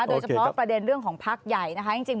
โดยเฉพาะประเด็นเรื่องของพักใหญ่นะคะจริง